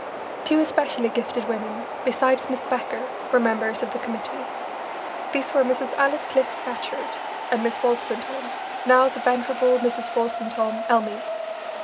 Two especially gifted women, besides Miss Becker, were members of the committee. These were Mrs. Alice Cliff Scatcherd and Miss Wolstentholm, now the venerable Mrs. Wolstentholm Elmy.